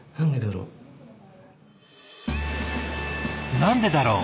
何でだろう？